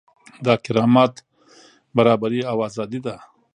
دا کرامت، برابري او ازادي ده.